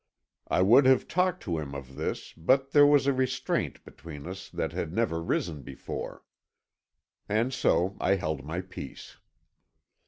I would have talked to him of this but there was a restraint between us that had never arisen before. And so I held my peace.